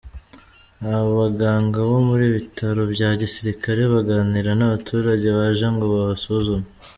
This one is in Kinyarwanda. Abaganga bo mu bitaro bya Gisirikare baganira n’abaturage baje ngo babasuzume.